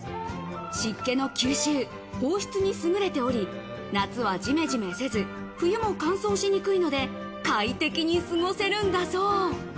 湿気の吸収・放出にすぐれており、夏はジメジメせず、冬も乾燥しにくいので、快適に過ごせるんだそう。